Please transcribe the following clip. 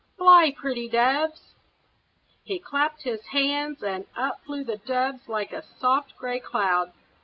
"Fly, pretty doves!" He clapped his hands, and up flew the doves like a soft gray cloud.